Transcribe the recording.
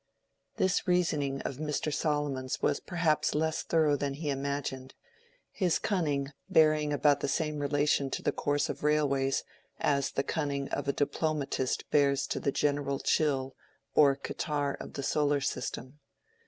This reasoning of Mr. Solomon's was perhaps less thorough than he imagined, his cunning bearing about the same relation to the course of railways as the cunning of a diplomatist bears to the general chill or catarrh of the solar system.